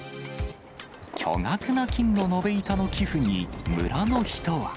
巨額な金の延べ板の寄付に、村の人は。